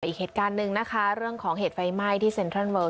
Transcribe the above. อีกเหตุการณ์หนึ่งนะคะเรื่องของเหตุไฟไหม้ที่เซ็นทรัลเวิล